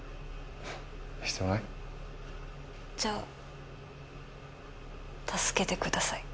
じゃあ助けてください。